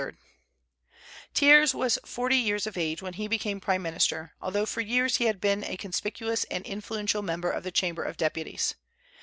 Thiers was forty years of age when he became prime minister, although for years he had been a conspicuous and influential member of the Chamber of Deputies.